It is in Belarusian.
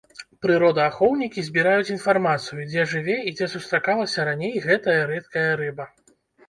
Прыродаахоўнікі збіраюць інфармацыю, дзе жыве і дзе сустракалася раней гэтая рэдкая рыба.